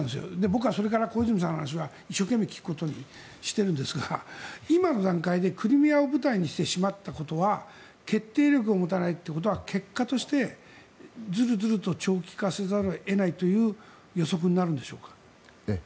僕はそれから小泉さんの話は一生懸命聞くことにしているんですが今の段階でクリミアを舞台にしてしまったことは決定力を持たないということは結果としてずるずると長期化せざるを得ないという予測になるんでしょうか？